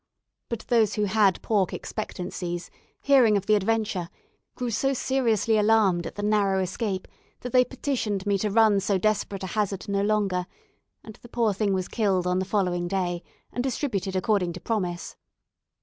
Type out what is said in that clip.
But those who had pork expectancies, hearing of the adventure, grew so seriously alarmed at the narrow escape, that they petitioned me to run so desperate a hazard no longer; and the poor thing was killed on the following day, and distributed according to promise.